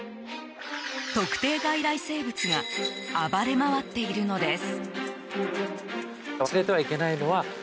特定外来生物が暴れ回っているのです。